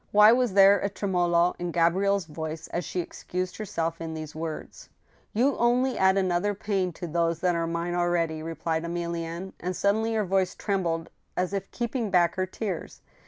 Why was there a tremolo in Gabrielle's voice as she excused herself in these words ?" You only add another pain to those that are mine already," re plied Emilienne, and suddenly her voice trembled as if keeping back her tears.